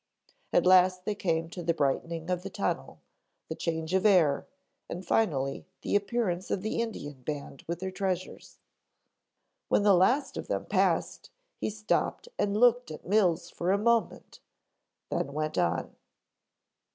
At last they came to the brightening of the tunnel, the change of air and finally the appearance of the Indian band with their treasures. "When the last of them passed he stopped and looked at Mills for a moment, then went on."